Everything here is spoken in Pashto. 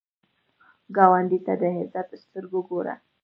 ګاونډي ته د عزت سترګو ګوره